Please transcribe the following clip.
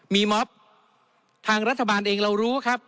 มีม็อบทางรัฐบาลเองเรารู้ครับ